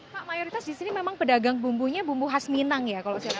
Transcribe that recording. pak mayoritas di sini memang pedagang bumbunya bumbu khas minang ya kalau saya lihat